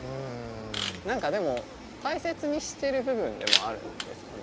何かでも大切にしてる部分でもあるんですかね？